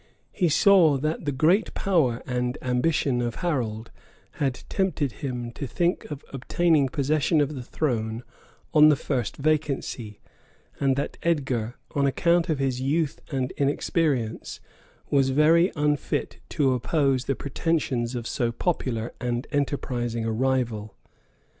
He saw that the great power and ambition of Harold had tempted him to think of obtaining possession of the throne on the first vacancy, and that Edgar, on account of his youth and inexperience, was very unfit to oppose the pretensions of so popular and enterprising a rival.